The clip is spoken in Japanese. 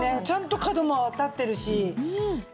ちゃんと角も立ってるし。